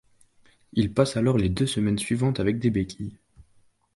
Il passe alors les deux semaines suivantes avec des béquilles.